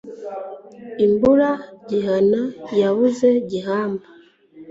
imbura gihana yabuze gihamba